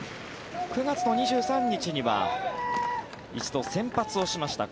９月２３日には一度先発をしました。